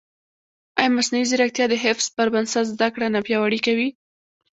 ایا مصنوعي ځیرکتیا د حفظ پر بنسټ زده کړه نه پیاوړې کوي؟